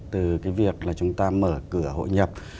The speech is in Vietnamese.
từ cái việc là chúng ta mở cửa hội nhập